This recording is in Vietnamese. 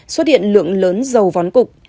xuất hiện lượng lớn dầu vón cục